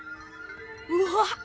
うわっ！